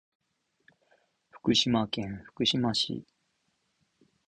福島県福島市